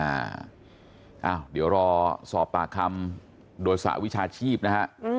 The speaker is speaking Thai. อ้าวเดี๋ยวรอสอบปากคำโดยสหวิชาชีพนะฮะ